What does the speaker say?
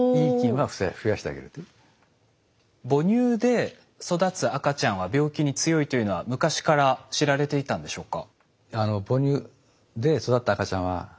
母乳で育つ赤ちゃんは病気に強いというのは昔から知られていたんでしょうか？